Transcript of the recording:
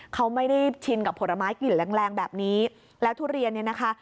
เขาไม่ได้ชินกับผลไม้กลิ่นแรงแรงแบบนี้แล้วทุเรียนเนี่ยนะคะ